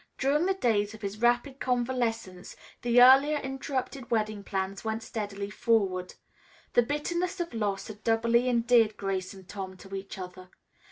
During the days of his rapid convalescence, the earlier interrupted wedding plans went steadily forward. The bitterness of loss had doubly endeared Grace and Tom to each other.